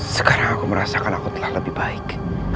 sekarang aku merasakan aku telah lebih baik